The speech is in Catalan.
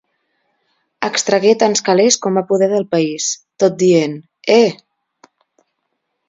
Extragué tants calés com va poder del país, tot dient “eh!” .